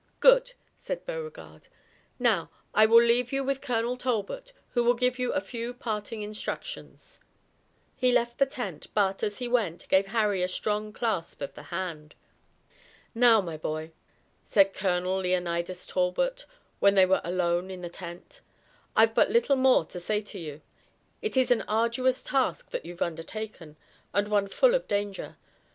"Good," said Beauregard. "Now, I will leave you with Colonel Talbot, who will give you a few parting instructions." He left the tent, but, as he went, gave Harry a strong clasp of the hand. "Now, my boy," said Colonel Leonidas Talbot, when they were alone in the tent, "I've but little more to say to you. It is an arduous task that you've undertaken, and one full of danger.